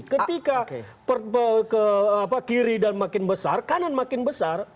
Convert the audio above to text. ketika ke kiri dan makin besar kanan makin besar